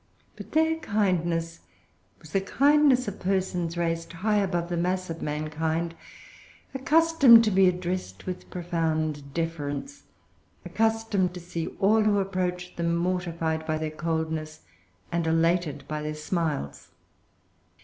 But their kindness was the kindness of persons raised high above the mass of mankind, accustomed to be addressed with profound deference, accustomed to see all who approach them mortified by their coldness and elated by their smiles.